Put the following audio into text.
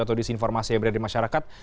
atau disinformasi yang berada di masyarakat